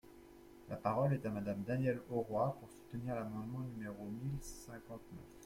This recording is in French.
La parole est à Madame Danielle Auroi, pour soutenir l’amendement numéro mille cinquante-neuf.